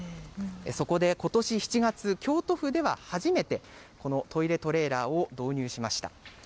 そこでことし７月、京都府では初めて、このトイレトレーラーを導入しました。